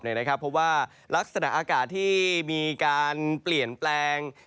เพราะว่ารักษณะอากาศที่มีการเปลี่ยนแปลง